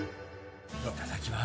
いただきます。